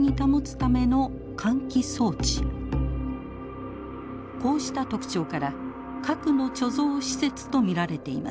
こうした特徴から核の貯蔵施設と見られています。